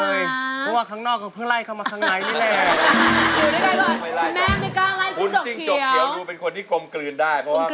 เพราะว่าข้างนอกก็เพิ่งไล่เข้ามาข้างในนี่แหละ